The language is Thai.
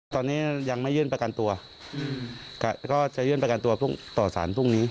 ตอนนี้ยังไม่ยื่นประกันตัวก็จะยื่นประกันตัวต่อสารพรุ่งนี้